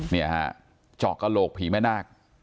เนี่ยฮะเจาะกระโหลกผีแม่นาค